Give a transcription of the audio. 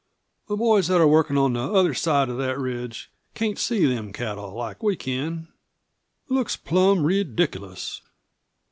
"The boys that are workin' on the other side of that ridge can't see them cattle like we can. Looks plum re diculous."